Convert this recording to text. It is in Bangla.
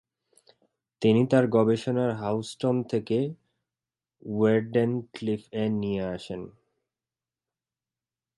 তিনি তার গবেষণাগার হাউজটন থেকে ওয়েরডেন ক্লিফ এ নিয়ে আসেন।